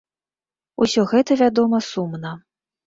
Усё гэта, вядома, сумна.